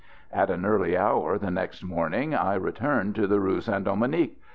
At an early hour the next morning I returned to the Rue St Dominique.